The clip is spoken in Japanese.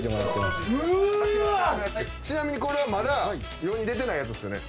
ちなみにこれはまだ世に出てないやつですよね？